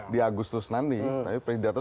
di agustus nanti tapi predator